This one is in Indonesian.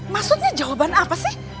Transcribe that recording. maksudnya jawaban apa sih